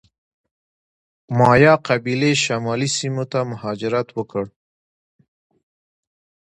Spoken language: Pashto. مایا قبیلې شمالي سیمو ته مهاجرت وکړ.